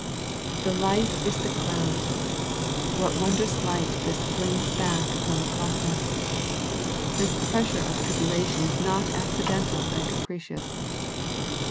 The life is the crown. What wondrous light this flings back upon the pro cess. This pressure of tribulation is not acci dental and capricious.